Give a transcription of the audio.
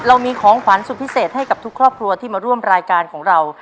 เรามีของขวัญสุดพิเศษให้กับทุกครอบครัวที่มาร่วมรายการของเรา